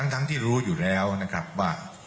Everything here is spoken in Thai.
ทั้งที่รู้อยู่แล้วนะครับว่า